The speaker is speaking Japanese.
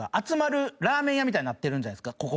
集まるラーメン屋みたいになってるんじゃないですか？